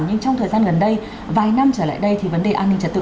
nhưng trong thời gian gần đây vài năm trở lại đây thì vấn đề an ninh trật tự